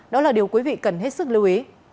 đó là điều quý vị cần hết sức lưu ý